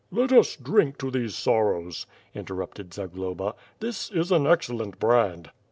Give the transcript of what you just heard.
..." "Let us drink to these sorrows," interrupted Zagloba, "this is an excellent brand."